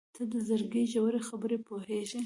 • ته د زړګي ژورې خبرې پوهېږې.